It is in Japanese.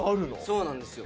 そうなんですよ。